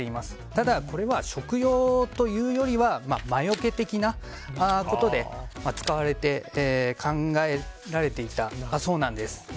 ただ、これは食用というよりは魔よけ的なことで使われて考えられていたそうなんです。